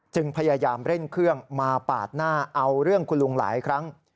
พยายามเร่งเครื่องมาปาดหน้าเอาเรื่องคุณลุงหลายครั้ง